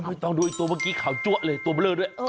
ไม่ต้องดูอีกตัวเมื่อกี้ข่าวจั๊วเลยตัวเบลอด้วย